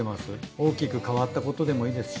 大きく変わったことでもいいですし。